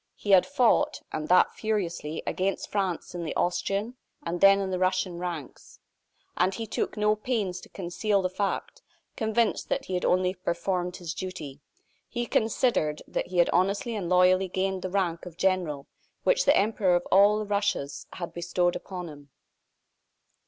He had fought, and that furiously, against France in the Austrian, and then in the Russian ranks. And he took no pains to conceal the fact; convinced that he had only performed his duty. He considered that he had honestly and loyally gained the rank of general which the Emperor of all the Russias had bestowed upon him.